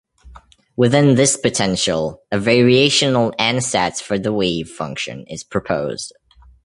Within this potential, a variational ansatz for the wave function is proposed.